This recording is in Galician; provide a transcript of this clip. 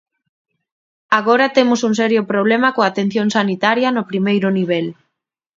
Agora temos un serio problema coa atención sanitaria no primeiro nivel.